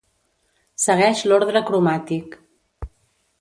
Segueix l'ordre cromàtic.